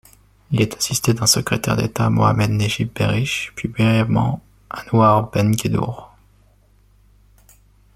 Il est assisté d'un secrétaire d'État, Mohamed Nejib Berriche puis brièvement Anouar Ben Gueddour.